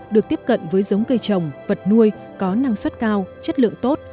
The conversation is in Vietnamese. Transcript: được tiếp cận với giống cây trồng vật nuôi có năng suất cao chất lượng tốt